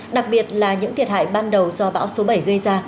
đặc biệt là những thiệt hại ban đầu do bão số bảy gây ra